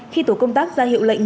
khi tổ công tác ra hiệu lệnh